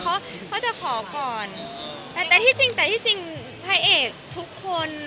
เขาจะขอก่อนแต่ที่จริงพายเอกทุกคน